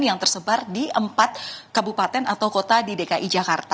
yang tersebar di empat kabupaten atau kota di dki jakarta